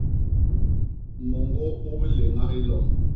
Môñgô u biléña i lom.